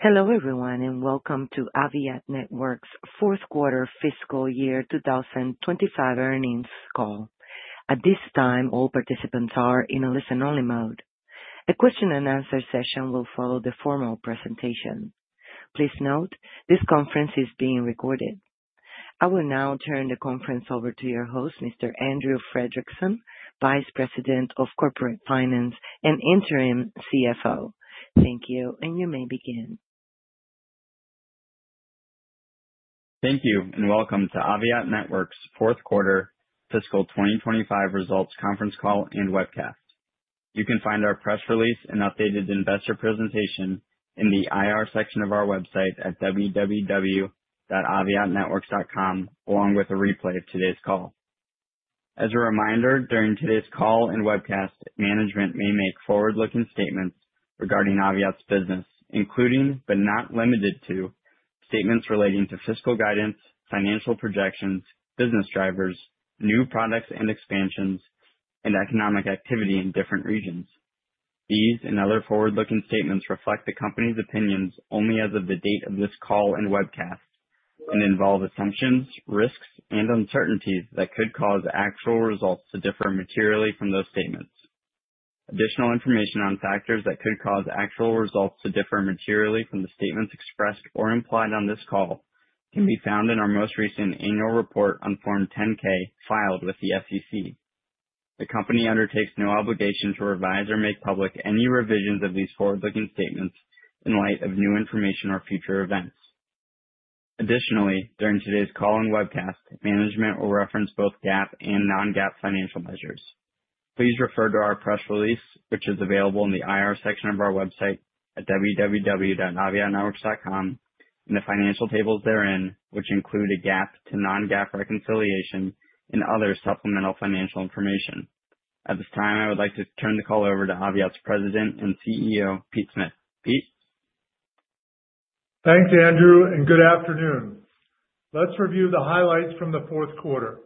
Hello everyone and welcome to Aviat Networks' fourth quarter fiscal year 2025 earnings call. At this time, all participants are in a listen-only mode. A question-and-answer session will follow the formal presentation. Please note, this conference is being recorded. I will now turn the conference over to your host, Mr. Andrew Fredrickson, Vice President of Corporate Finance and Interim CFO. Thank you, and you may begin. Thank you and welcome to Aviat Networks' fourth quarter fiscal 2025 results conference call and webcast. You can find our press release and updated investor presentation in the IR section of our website at www.aviatnetworks.com, along with a replay of today's call. As a reminder, during today's call and webcast, management may make forward-looking statements regarding Aviat's business, including but not limited to statements relating to fiscal guidance, financial projections, business drivers, new products and expansions, and economic activity in different regions. These and other forward-looking statements reflect the company's opinions only as of the date of this call and webcast and involve assumptions, risks, and uncertainties that could cause actual results to differ materially from those statements. Additional information on factors that could cause actual results to differ materially from the statements expressed or implied on this call can be found in our most recent annual report on Form 10-K filed with the SEC. The company undertakes no obligation to revise or make public any revisions of these forward-looking statements in light of new information or future events. Additionally, during today's call and webcast, management will reference both GAAP and non-GAAP financial measures. Please refer to our press release, which is available in the IR section of our website at www.aviatnetworks.com, and the financial tables therein, which include a GAAP to non-GAAP reconciliation and other supplemental financial information. At this time, I would like to turn the call over to Aviat's President and CEO, Pete Smith. Pete. Thanks, Andrew, and good afternoon. Let's review the highlights from the fourth quarter.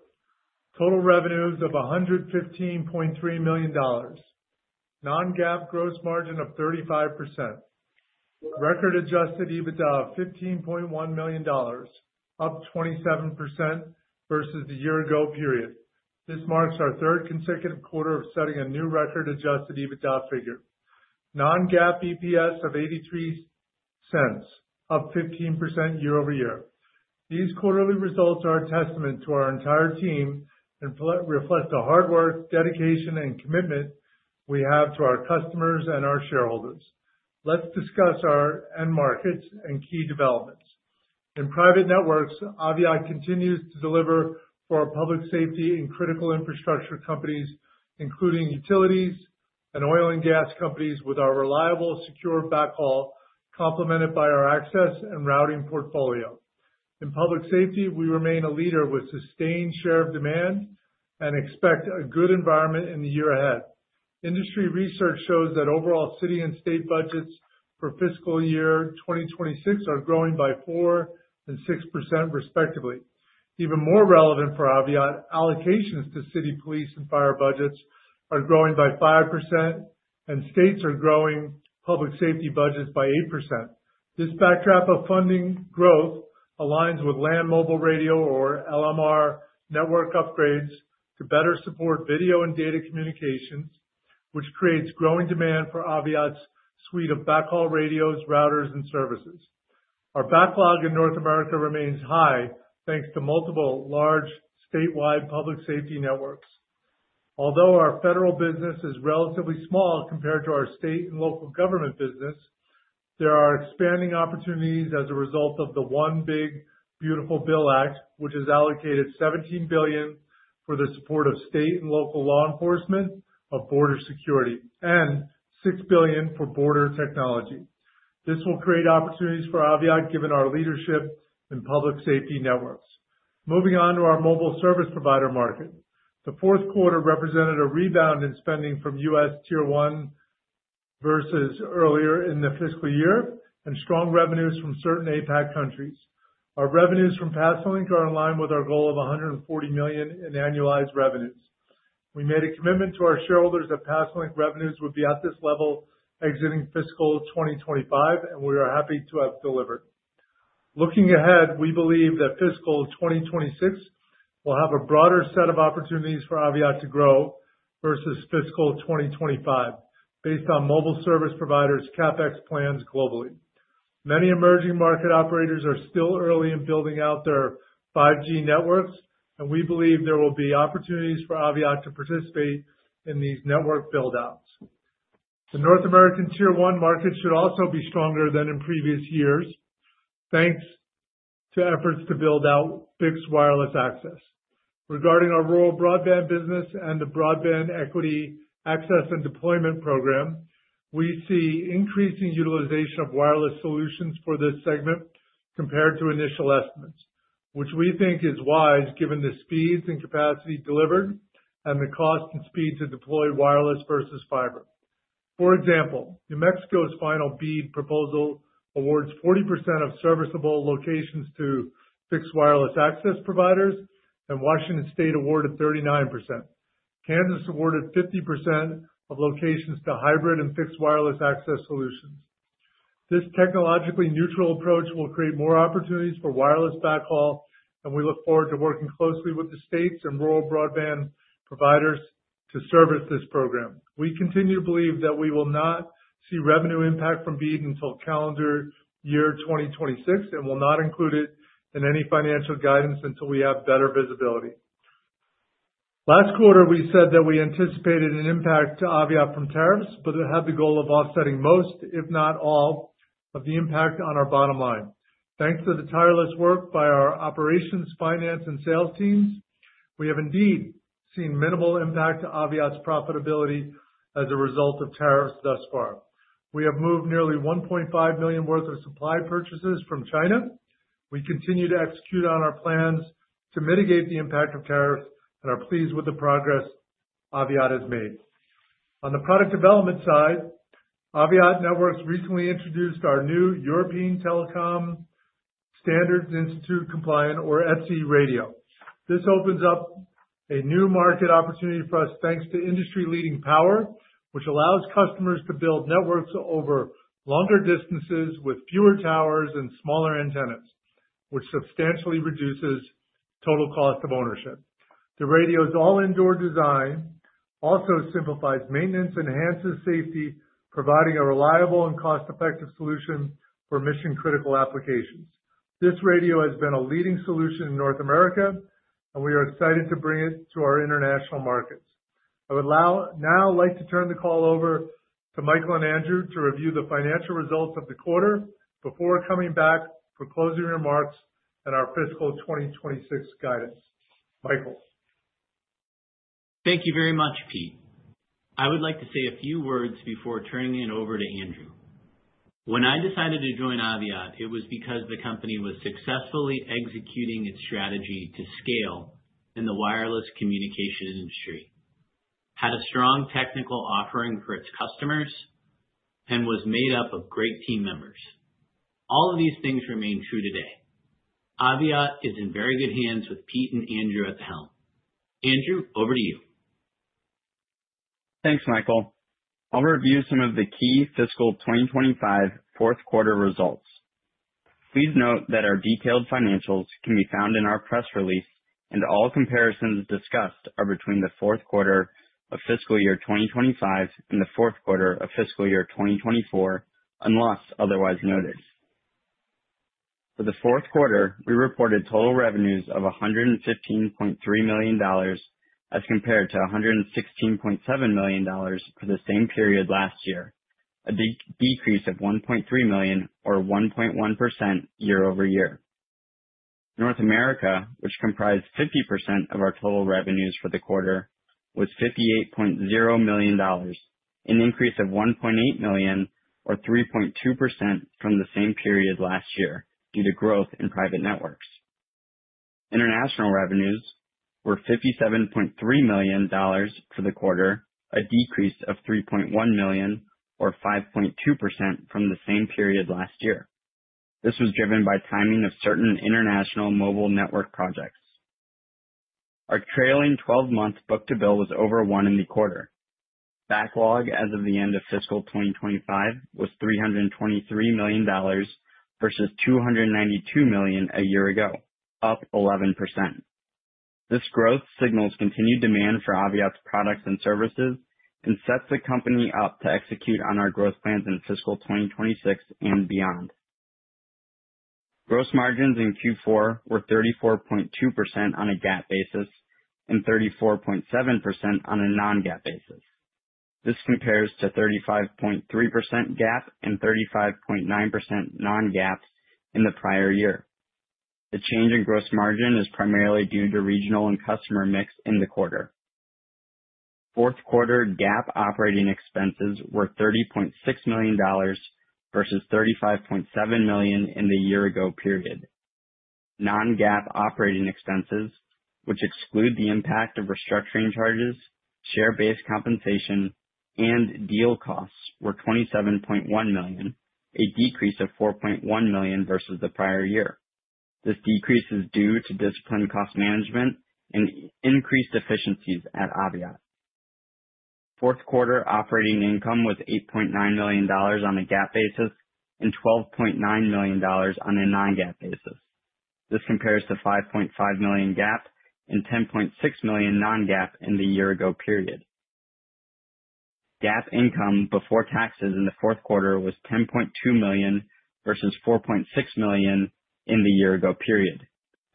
Total revenues of $115.3 million. Non-GAAP gross margin of 35%. Record-adjusted EBITDA of $15.1 million, up 27% versus the year-ago period. This marks our third consecutive quarter of setting a new record-adjusted EBITDA figure. Non-GAAP EPS of $0.83, up 15% year-over-year. These quarterly results are a testament to our entire team and reflect the hard work, dedication, and commitment we have to our customers and our shareholders. Let's discuss our end markets and key developments. In private networks, Aviat continues to deliver for our public safety and critical infrastructure companies, including utilities and oil and gas companies, with our reliable, secure backhaul complemented by our access and routing portfolio. In public safety, we remain a leader with a sustained share of demand and expect a good environment in the year ahead. Industry research shows that overall city and state budgets for fiscal year 2026 are growing by 4% and 6%, respectively. Even more relevant for Aviat, allocations to city police and fire budgets are growing by 5%, and states are growing public safety budgets by 8%. This backdrop of funding growth aligns with land mobile radio, or LMR, network upgrades to better support video and data communications, which creates growing demand for Aviat's suite of backhaul radios, routers, and services. Our backlog in North America remains high thanks to multiple large statewide public safety networks. Although our federal business is relatively small compared to our state and local government business, there are expanding opportunities as a result of the One Big Beautiful Bill Act, which has allocated $17 billion for the support of state and local law enforcement of border security and $6 billion for border technology. This will create opportunities for Aviat given our leadership in public safety networks. Moving on to our mobile service provider market, the fourth quarter represented a rebound in spending from U.S. Tier 1 versus earlier in the fiscal year and strong revenues from certain APAC countries. Our revenues from PASOLINK are in line with our goal of $140 million in annualized revenues. We made a commitment to our shareholders that PASOLINK revenues would be at this level exiting fiscal 2025, and we are happy to have delivered. Looking ahead, we believe that fiscal 2026 will have a broader set of opportunities for Aviat to grow versus fiscal 2025, based on mobile service providers' CapEx plans globally. Many emerging market operators are still early in building out their 5G networks, and we believe there will be opportunities for Aviat to participate in these network buildouts. The North American Tier 1 market should also be stronger than in previous years, thanks to efforts to build out fixed wireless access. Regarding our rural broadband business and the Broadband Equity, Access, and Deployment Program, we see increasing utilization of wireless solutions for this segment compared to initial estimates, which we think is wise given the speeds and capacity delivered and the cost and speed to deploy wireless versus fiber. For example, New Mexico's final BEAD proposal awards 40% of serviceable locations to fixed wireless access providers, and Washington State awarded 39%. Kansas awarded 50% of locations to hybrid and fixed wireless access solutions. This technologically neutral approach will create more opportunities for wireless backhaul, and we look forward to working closely with the states and rural broadband providers to service this program. We continue to believe that we will not see revenue impact from BEAD until calendar year 2026 and will not include it in any financial guidance until we have better visibility. Last quarter, we said that we anticipated an impact to Aviat from tariffs, but it had the goal of offsetting most, if not all, of the impact on our bottom line. Thanks to the tireless work by our operations, finance, and sales teams, we have indeed seen minimal impact to Aviat's profitability as a result of tariffs thus far. We have moved nearly $1.5 million worth of supply purchases from China. We continue to execute on our plans to mitigate the impact of tariffs and are pleased with the progress Aviat has made. On the product development side, Aviat Networks recently introduced our new European Telecom Standards Institute-compliant, or ETSI, radio. This opens up a new market opportunity for us thanks to industry-leading power, which allows customers to build networks over longer distances with fewer towers and smaller antennas, which substantially reduces total cost of ownership. The radio's all-indoor design also simplifies maintenance and enhances safety, providing a reliable and cost-effective solution for mission-critical applications. This radio has been a leading solution in North America, and we are excited to bring it to our international markets. I would now like to turn the call over to Michael and Andrew to review the financial results of the quarter before coming back for closing remarks and our fiscal 2026 guidance. Michael. Thank you very much, Pete. I would like to say a few words before turning it over to Andrew. When I decided to join Aviat, it was because the company was successfully executing its strategy to scale in the wireless communication industry, had a strong technical offering for its customers, and was made up of great team members. All of these things remain true today. Aviat is in very good hands with Pete and Andrew at the helm. Andrew, over to you. Thanks, Michael. I'll review some of the key fiscal 2025 fourth quarter results. Please note that our detailed financials can be found in our press release, and all comparisons discussed are between the fourth quarter of fiscal year 2025 and the fourth quarter of fiscal year 2024, unless otherwise noted. For the fourth quarter, we reported total revenues of $115.3 million as compared to $116.7 million for the same period last year, a decrease of $1.3 million, or 1.1%, year-over-year. North America, which comprised 50% of our total revenues for the quarter, was $58.0 million, an increase of $1.8 million, or 3.2%, from the same period last year due to growth in private networks. International revenues were $57.3 million for the quarter, a decrease of $3.1 million, or 5.2%, from the same period last year. This was driven by timing of certain international mobile network projects. Our trailing 12-month book-to-bill was over one in the quarter. Backlog as of the end of fiscal 2025 was $323 million versus $292 million a year ago, up 11%. This growth signals continued demand for Aviat's products and services and sets the company up to execute on our growth plans in fiscal 2026 and beyond. Gross margins in Q4 were 34.2% on a GAAP basis and 34.7% on a non-GAAP basis. This compares to 35.3% GAAP and 35.9% non-GAAP in the prior year. The change in gross margin is primarily due to regional and customer mix in the quarter. Fourth quarter GAAP operating expenses were $30.6 million versus $35.7 million in the year-ago period. Non-GAAP operating expenses, which exclude the impact of restructuring charges, share-based compensation, and deal costs, were $27.1 million, a decrease of $4.1 million versus the prior year. This decrease is due to disciplined cost management and increased efficiencies at Aviat. Fourth quarter operating income was $8.9 million on a GAAP basis and $12.9 million on a non-GAAP basis. This compares to $5.5 million GAAP and $10.6 million non-GAAP in the year-ago period. GAAP income before taxes in the fourth quarter was $10.2 million versus $4.6 million in the year-ago period.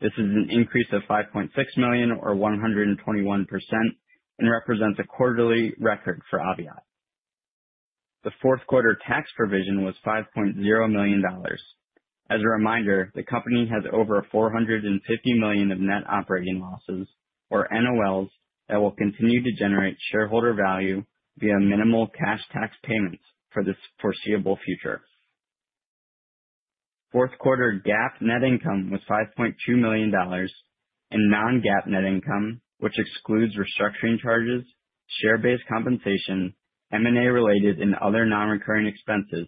This is an increase of $5.6 million, or 121%, and represents a quarterly record for Aviat. The fourth quarter tax provision was $5.0 million. As a reminder, the company has over $450 million of net operating losses, or NOLs, that will continue to generate shareholder value via minimal cash tax payments for the foreseeable future. Fourth quarter GAAP net income was $5.2 million, and non-GAAP net income, which excludes restructuring charges, share-based compensation, M&A-related and other non-recurring expenses,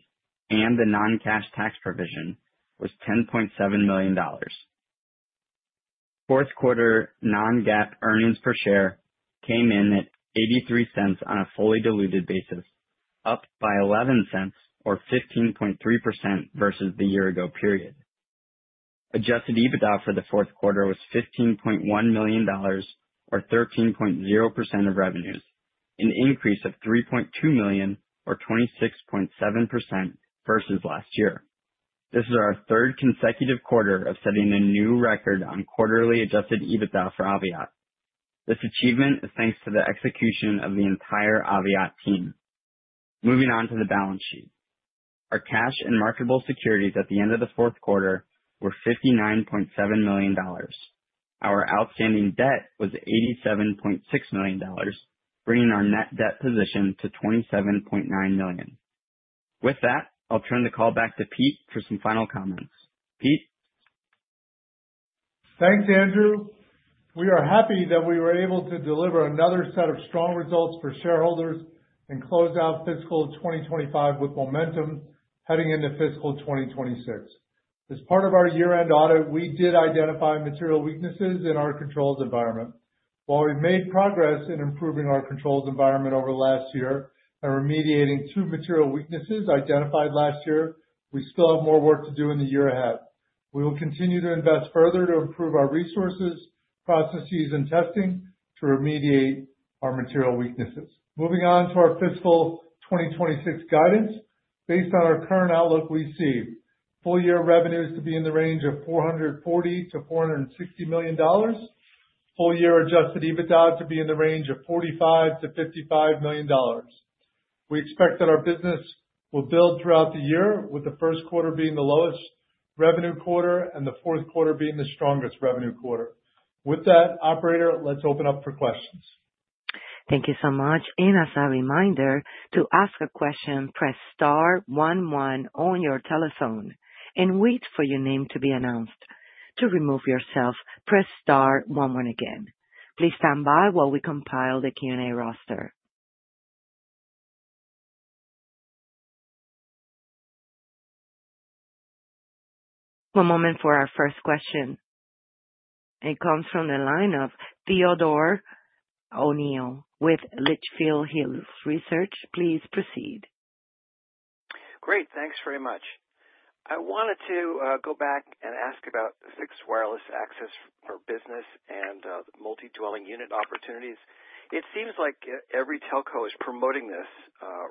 and the non-cash tax provision, was $10.7 million. Fourth quarter non-GAAP earnings per share came in at $0.83 on a fully diluted basis, up by $0.11, or 15.3%, versus the year-ago period. Adjusted EBITDA for the fourth quarter was $15.1 million, or 13.0% of revenues, an increase of $3.2 million, or 26.7%, versus last year. This is our third consecutive quarter of setting a new record on quarterly adjusted EBITDA for Aviat. This achievement is thanks to the execution of the entire Aviat team. Moving on to the balance sheet. Our cash and marketable securities at the end of the fourth quarter were $59.7 million. Our outstanding debt was $87.6 million, bringing our net debt position to $27.9 million. With that, I'll turn the call back to Pete for some final comments. Pete. Thanks, Andrew. We are happy that we were able to deliver another set of strong results for shareholders and close out fiscal 2025 with momentum heading into fiscal 2026. As part of our year-end audit, we did identify Material Weaknesses in our controls environment. While we've made progress in improving our controls environment over last year and remediating two Material Weaknesses identified last year, we still have more work to do in the year ahead. We will continue to invest further to improve our resources, processes, and testing to remediate our Material Weaknesses. Moving on to our fiscal 2026 guidance, based on our current outlook, we see full-year revenues to be in the range of $440-$460 million, full-year adjusted EBITDA to be in the range of $45-$55 million. We expect that our business will build throughout the year, with the first quarter being the lowest revenue quarter and the fourth quarter being the strongest revenue quarter. With that, operator, let's open up for questions. Thank you so much. And as a reminder, to ask a question, press star one one on your telephone and wait for your name to be announced. To remove yourself, press star one one again. Please stand by while we compile the Q&A roster. One moment for our first question. It comes from the line of Theodore O'Neill with Litchfield Hills Research. Please proceed. Great. Thanks very much. I wanted to go back and ask about fixed wireless access for business and multi-dwelling unit opportunities. It seems like every telco is promoting this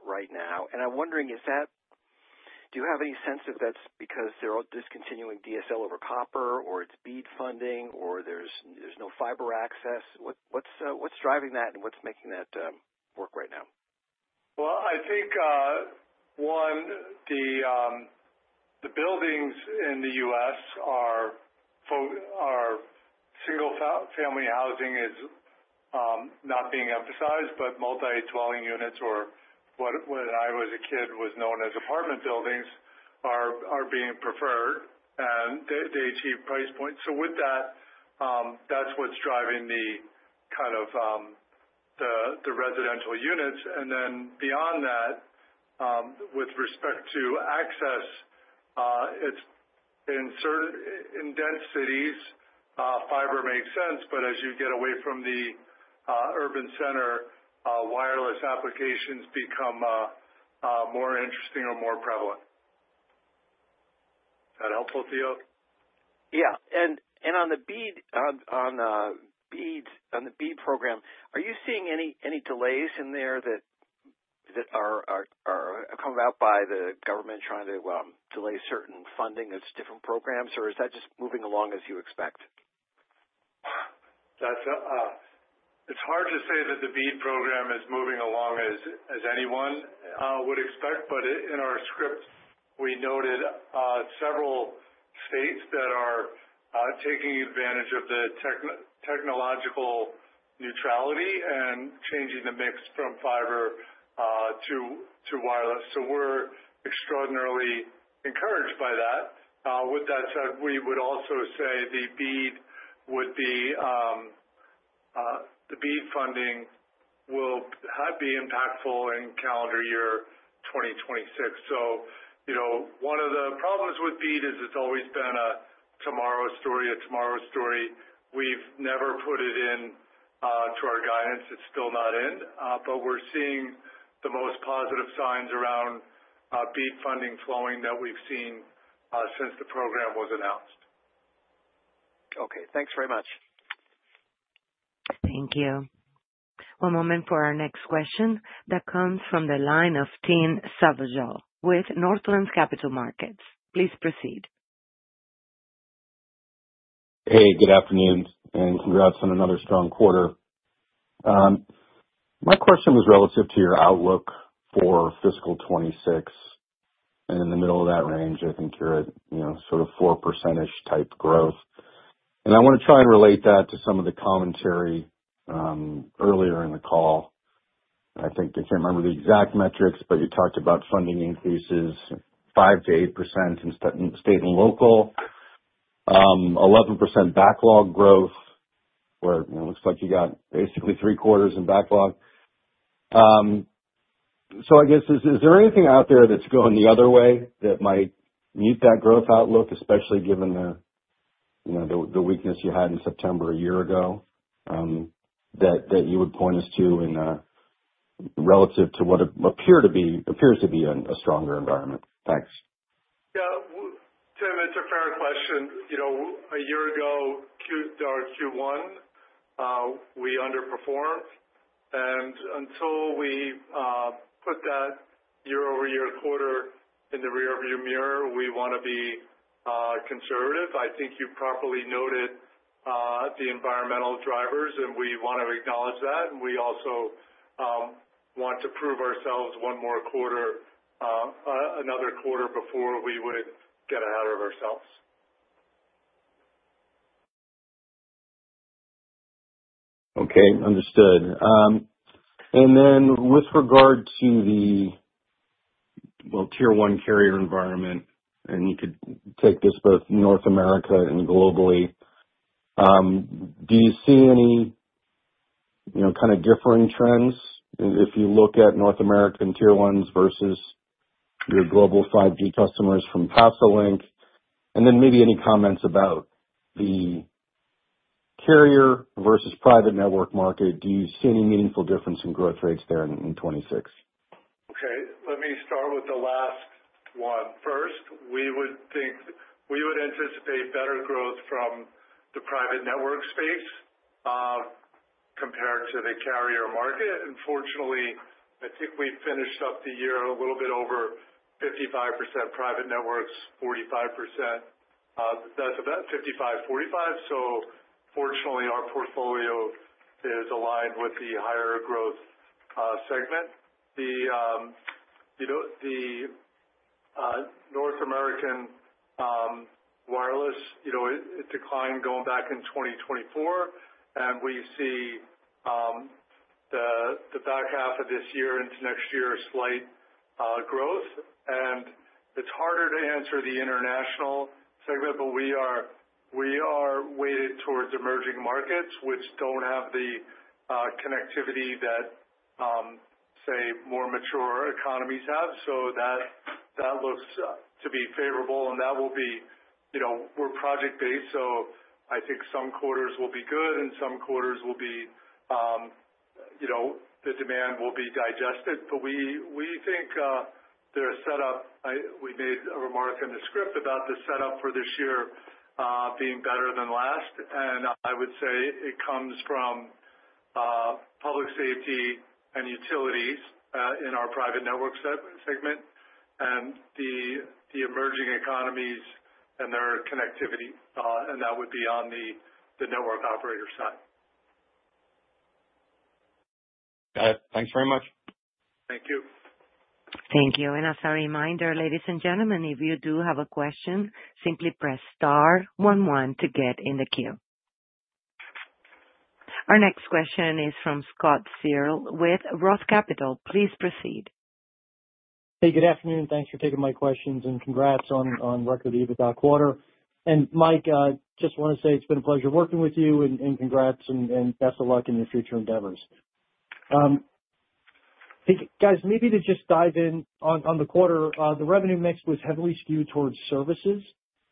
right now, and I'm wondering, do you have any sense if that's because they're all discontinuing DSL over copper, or it's BEAD funding, or there's no fiber access? What's driving that, and what's making that work right now? I think, one, the buildings in the U.S. are single-family housing is not being emphasized, but multi-dwelling units, or what, when I was a kid, was known as apartment buildings, are being preferred, and they achieve price points. With that, that's what's driving the kind of the residential units. Then beyond that, with respect to access, in certain dense cities, fiber makes sense, but as you get away from the urban center, wireless applications become more interesting or more prevalent. Is that helpful, Theo? Yeah. And on the BEAD program, are you seeing any delays in there that are come about by the government trying to delay certain funding of different programs, or is that just moving along as you expect? It's hard to say that the BEAD program is moving along as anyone would expect, but in our script, we noted several states that are taking advantage of the technological neutrality and changing the mix from fiber to wireless. So we're extraordinarily encouraged by that. With that said, we would also say the BEAD funding will be impactful in calendar year 2026. So one of the problems with BEAD is it's always been a tomorrow story, a tomorrow story. We've never put it into our guidance. It's still not in. But we're seeing the most positive signs around BEAD funding flowing that we've seen since the program was announced. Okay. Thanks very much. Thank you. One moment for our next question that comes from the line of Tim Savageaux with Northland Capital Markets. Please proceed. Hey, good afternoon, and congrats on another strong quarter. My question was relative to your outlook for fiscal 2026, and in the middle of that range, I think you're at sort of 4%-ish type growth, and I want to try and relate that to some of the commentary earlier in the call. I think I can't remember the exact metrics, but you talked about funding increases, 5% to 8% in state and local, 11% backlog growth, where it looks like you got basically three quarters in backlog. So I guess, is there anything out there that's going the other way that might meet that growth outlook, especially given the weakness you had in September a year ago that you would point us to relative to what appears to be a stronger environment? Thanks. Yeah. Tim, it's a fair question. A year ago, Q1, we underperformed, and until we put that year-over-year quarter in the rearview mirror, we want to be conservative. I think you properly noted the environmental drivers, and we want to acknowledge that, and we also want to prove ourselves one more quarter, another quarter before we would get ahead of ourselves. Okay. Understood. And then with regard to the, well, Tier 1 carrier environment, and you could take this both North America and globally, do you see any kind of differing trends if you look at North America and Tier 1s versus your global 5G customers from PASOLINK? And then maybe any comments about the carrier versus private network market? Do you see any meaningful difference in growth rates there in 2026? Okay. Let me start with the last one first. We would anticipate better growth from the private network space compared to the carrier market, and fortunately, I think we finished up the year a little bit over 55% private networks, 45%. That's about 55, 45, so fortunately, our portfolio is aligned with the higher growth segment. The North American wireless, it declined going back in 2024, and we see the back half of this year into next year's slight growth. It's harder to answer the international segment, but we are weighted towards emerging markets, which don't have the connectivity that, say, more mature economies have. So that looks to be favorable, and that will be we're project-based, so I think some quarters will be good, and some quarters will be the demand will be digested. But we think their setup. We made a remark in the script about the setup for this year being better than last. And I would say it comes from public safety and utilities in our private network segment and the emerging economies and their connectivity. And that would be on the network operator side. Got it. Thanks very much. Thank you. Thank you. And as a reminder, ladies and gentlemen, if you do have a question, simply press star one one to get in the queue. Our next question is from Scott Searle with Roth Capital. Please proceed. Hey, good afternoon. Thanks for taking my questions, and congrats on the record EBITDA quarter. And Mike, just want to say it's been a pleasure working with you, and congrats, and best of luck in your future endeavors. Guys, maybe to just dive in on the quarter, the revenue mix was heavily skewed towards services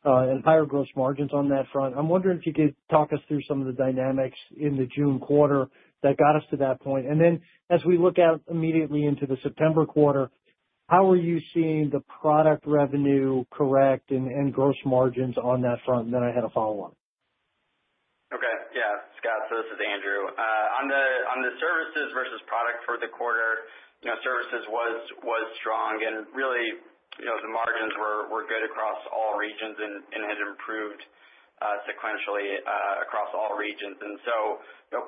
and higher gross margins on that front. I'm wondering if you could talk us through some of the dynamics in the June quarter that got us to that point. And then as we look out immediately into the September quarter, how are you seeing the product revenue, correct, and gross margins on that front? And then I had a follow-up. Okay. Yeah. Scott, so this is Andrew. On the services versus product for the quarter, services was strong, and really the margins were good across all regions and had improved sequentially across all regions. And so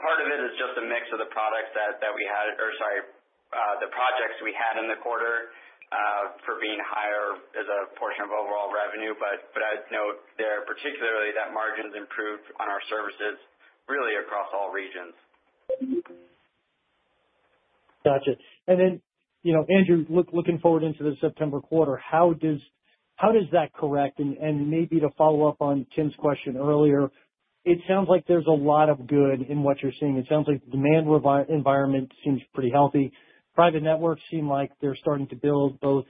part of it is just a mix of the products that we had or, sorry, the projects we had in the quarter for being higher as a portion of overall revenue. But I'd note there particularly that margins improved on our services really across all regions. Gotcha. And then, Andrew, looking forward into the September quarter, how does that correct? And maybe to follow up on Tim's question earlier, it sounds like there's a lot of good in what you're seeing. It sounds like the demand environment seems pretty healthy. Private networks seem like they're starting to build both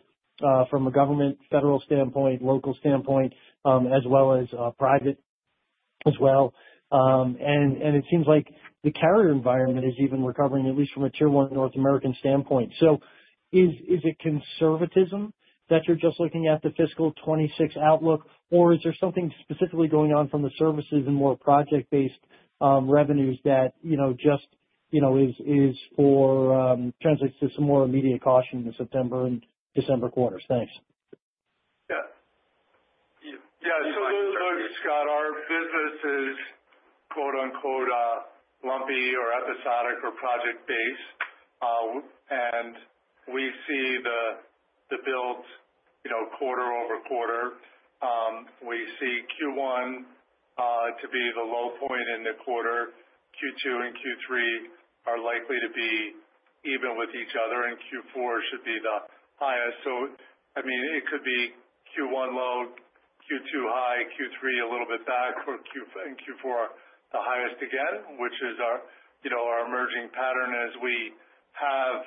from a government, federal standpoint, local standpoint, as well as private as well. And it seems like the carrier environment is even recovering, at least from a Tier 1 North American standpoint. So is it conservatism that you're just looking at the fiscal 2026 outlook, or is there something specifically going on from the services and more project-based revenues that just is for translates to some more immediate caution in the September and December quarters? Thanks. Yeah. Yeah. So look, Scott, our business is, quote-unquote, "lumpy" or episodic or project-based. And we see the builds quarter over quarter. We see Q1 to be the low point in the quarter. Q2 and Q3 are likely to be even with each other, and Q4 should be the highest. So I mean, it could be Q1 low, Q2 high, Q3 a little bit back, and Q4 the highest again, which is our emerging pattern as we have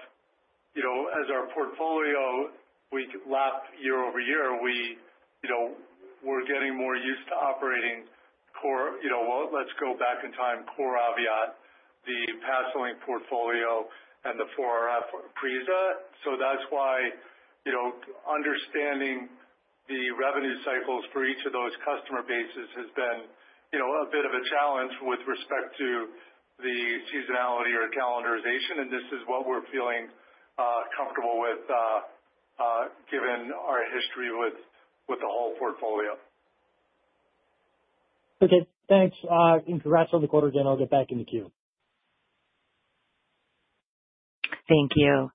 as our portfolio, we lap year over year, we're getting more used to operating core let's go back in time, core Aviat, the PASOLINK portfolio, and the 4RF Aprisa. So that's why understanding the revenue cycles for each of those customer bases has been a bit of a challenge with respect to the seasonality or calendarization. And this is what we're feeling comfortable with given our history with the whole portfolio. Okay. Thanks. Congrats on the quarter again. I'll get back in the queue. Thank you.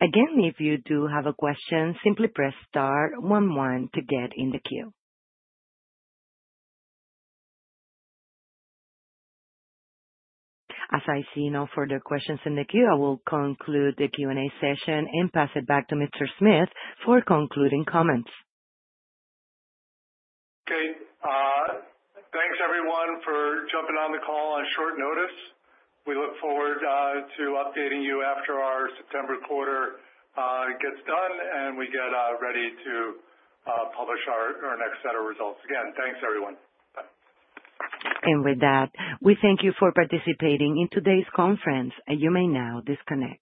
Again, if you do have a question, simply press star one one to get in the queue. As I see no further questions in the queue, I will conclude the Q&A session and pass it back to Mr. Smith for concluding comments. Okay. Thanks, everyone, for jumping on the call on short notice. We look forward to updating you after our September quarter gets done and we get ready to publish our next set of results. Again, thanks, everyone. Bye. With that, we thank you for participating in today's conference. You may now disconnect.